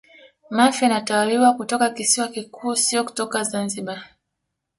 Mafia inatawaliwa kutoka kisiwa kikuu sio kutoka Zanzibar